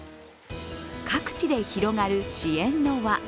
各地で広がる支援の輪。